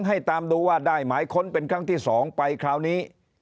ให้ตามดูว่าได้หมายค้นเป็นครั้งที่๒ไปคราวนี้